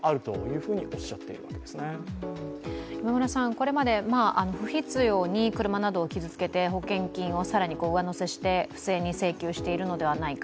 これまで不必要に車などを傷つけて保険金を更に上乗せして不正に請求しているのではないか。